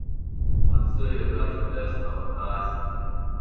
Оце яка чудна оказія!